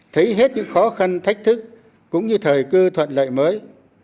thấy hết những khó khăn thách thức cũng như thời cơ thuận lợi mới